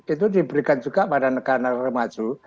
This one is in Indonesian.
itu diberikan juga pada negara negara maju